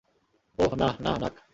ওহ, না, না, নাক!